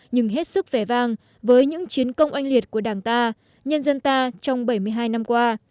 nhưng hết sức vẻ vang với những chiến công oanh liệt của đảng ta nhân dân ta trong bảy mươi hai năm qua